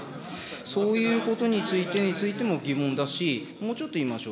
そういうことについて、疑問だし、もうちょっと言いましょう。